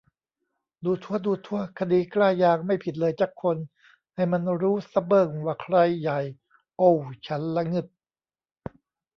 ดูถั๊วะ ดูถั๊วะ คดีกล้ายาง ไม่ผิดเลยจั๊กคน ให้มันรู้ซะเบิ้งว่าใครใหญ่ โอ้วฉันล่ะงึด